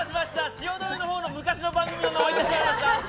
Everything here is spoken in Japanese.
汐留のほうの昔の番組が入ってしまいました。